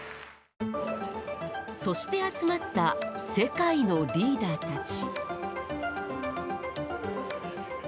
そして集まった世界のリーダーたち。